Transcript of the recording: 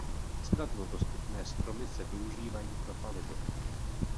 Snadno dostupné stromy se využívají pro palivo.